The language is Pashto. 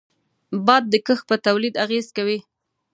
باد د کښت پر تولید اغېز کوي